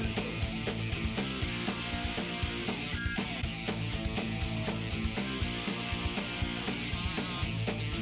iya satu bulan